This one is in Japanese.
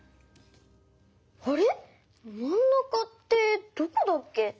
あれまんなかってどこだっけ？